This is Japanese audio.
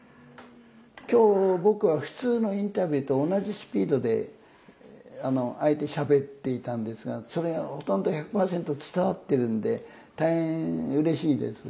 今日僕は普通のインタビューと同じスピードであえてしゃべっていたんですがそれがほとんど１００％伝わってるんで大変うれしいです。